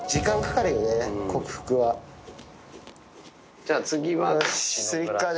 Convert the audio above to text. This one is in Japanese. じゃあ次は。